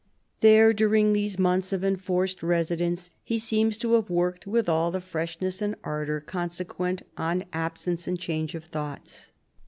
There, during these months of enforced residence, he seems to have worked with all the freshness and " ardour " consequent on absence and change of thoughts.